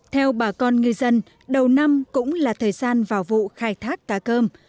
theo bà con ngư dân đầu năm cũng là thời gian vào vụ khai thác cá cơm